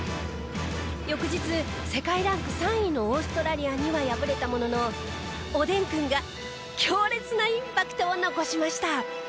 翌日世界ランク３位のオーストラリアには敗れたもののおでんくんが強烈なインパクトを残しました。